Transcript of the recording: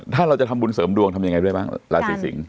ถ้าเราจะทำบุญเสริมดวงทำยังไงด้วยบ้างราศีสิง